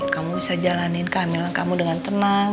kamu bisa jalanin kehamilan kamu dengan tenang